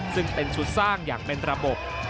ซึ่งเป็นชุดสร้างอย่างเป็นระบบ